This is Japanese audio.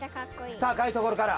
たかいところから。